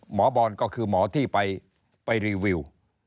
หมอบอลก็คือหมอที่ไปรีวิว